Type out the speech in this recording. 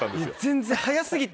全然早過ぎて。